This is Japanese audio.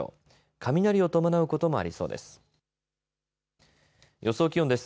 雷を伴うこともありそうです。